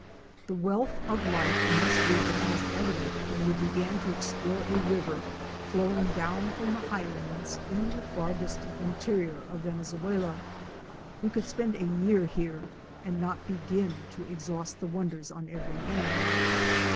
The wealth of life in this region was evident when we began to explore a river flowing down from the highlands in the far distant interior of Venezuela. One could spend a year here and not begin to exhaust the wonders on every hand.